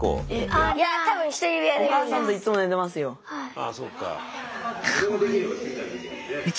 ああそうか。